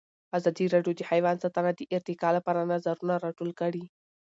ازادي راډیو د حیوان ساتنه د ارتقا لپاره نظرونه راټول کړي.